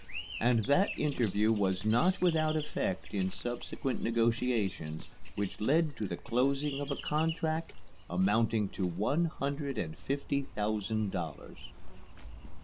And that interview was not without effect in subsequent negotiations which led to the closing of a contract amounting to one hundred and fifty thousand dollars.